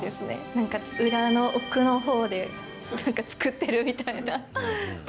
なんか裏の奥のほうで、なんか作ってるみたいな。